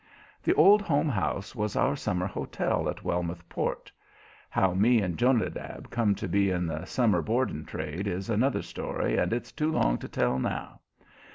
The Old Home House was our summer hotel at Wellmouth Port. How me and Jonadab come to be in the summer boarding trade is another story and it's too long to tell now.